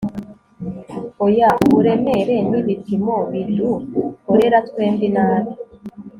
oya, uburemere n'ibipimo bidukorera twembi nabi